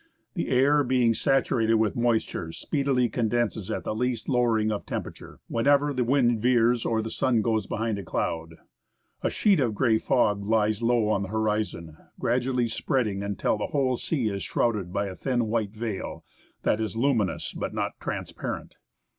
The air being saturated with moisture speedily condenses at the least lowering of temper ature, whenever the wind veers or the sun goes behind a cloud. A sheet of gray fog lies low on the horizon, gradually spreading AN ICEBERG IN GLACIER BAY. until the whole sea is shrouded by a thin white veil, that is luminous, but not transparent.